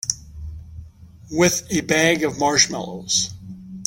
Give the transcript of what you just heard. With a bag of marshmallows.